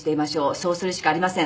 そうするしかありません。